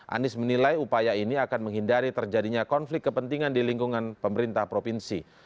anies menilai upaya ini akan menghindari terjadinya konflik kepentingan di lingkungan pemerintah provinsi